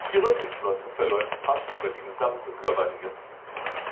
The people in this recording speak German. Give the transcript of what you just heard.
Die Rückenflosse verläuft fast über die gesamte Körperlänge.